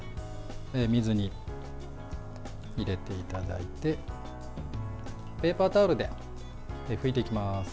水に入れていただいてペーパータオルで拭いていきます。